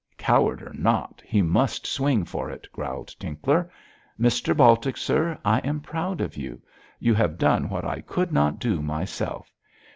'Coward or not, he must swing for it,' growled Tinkler. 'Mr Baltic, sir, I am proud of you. You have done what I could not do myself.